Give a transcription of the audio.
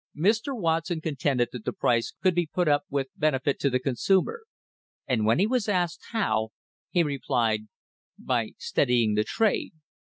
* Mr. Watson contended that the price could be put up with benefit to the consumer. And when he was asked how, he replied: "By steadying the trade.